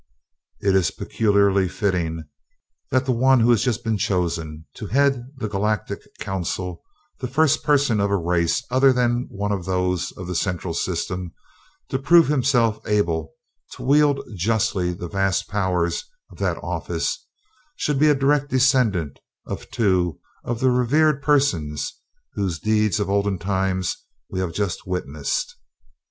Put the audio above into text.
"It is peculiarly fitting that the one who has just been chosen to head the Galactic Council the first person of a race other than one of those of the Central System to prove himself able to wield justly the vast powers of that office should be a direct descendant of two of the revered persons whose deeds of olden times we have just witnessed.